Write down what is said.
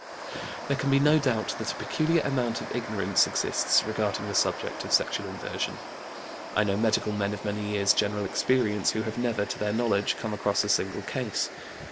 There can be no doubt that a peculiar amount of ignorance exists regarding the subject of sexual inversion. I know medical men of many years' general experience who have never, to their knowledge, come across a single case.